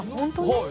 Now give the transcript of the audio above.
はい。